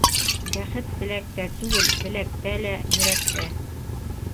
Бәхет теләктә түгел, беләктә лә, йөрәктә.